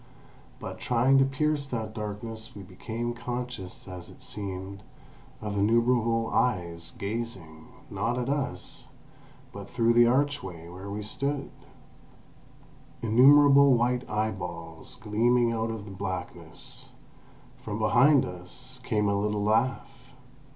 But trying to pierce that darkness we became conscious, as it seemed, of innumerable eyes gazing, not at us, but through the archway where we stood; innumerable white eyeballs gleaming out of blackness. From behind us came a little laugh.